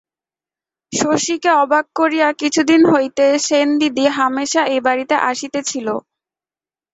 শশীকে অবাক করিয়া কিছুদিন হইতে সেনদিদি হামেশা এ বাড়িতে আসিতেছিল।